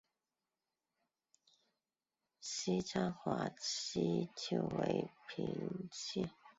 西昌华吸鳅为平鳍鳅科华吸鳅属的淡水鱼类。